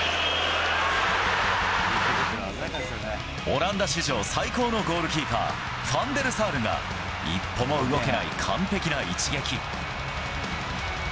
オランダ史上最高のゴールキーパー、ファンデルサールが一歩も動けない完璧な一撃。